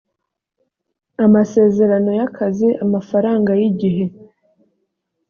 amasezerano y’akazi amafaranga y’igihe